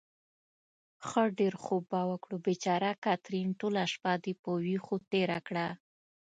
ښه ډېر خوب به وکړو. بېچاره کاترین، ټوله شپه دې په وېښو تېره کړه.